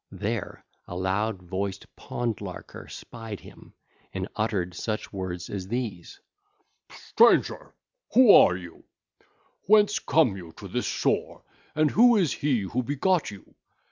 There a loud voiced pond larker spied him: and uttered such words as these. (ll. 13 23) 'Stranger, who are you? Whence come you to this shore, and who is he who begot you?